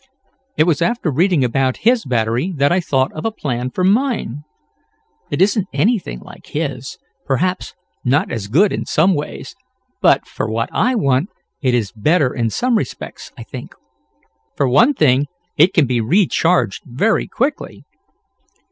It was after reading about his battery that I thought of a plan for mine. It isn't anything like his; perhaps not as good in some ways, but, for what I want, it is better in some respects, I think. For one thing it can be recharged very quickly."